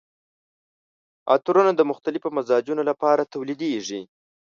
عطرونه د مختلفو مزاجونو لپاره تولیدیږي.